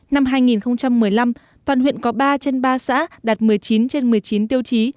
năm hai nghìn một mươi năm toàn huyện có ba trên ba xã đạt một mươi chín trên một mươi chín tiêu chí